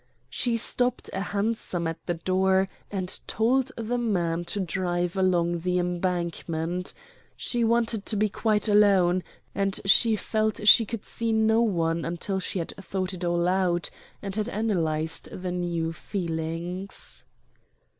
She stopped a hansom at the door, and told the man to drive along the Embankment she wanted to be quite alone, and she felt she could see no one until she had thought it all out, and had analyzed the new feelings.